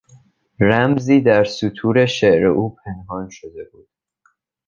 رمزی در سطور شعر او پنهان شده بود.